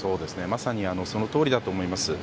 まさにそのとおりだと思います。